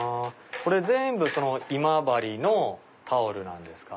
これ全部今治のタオルですか？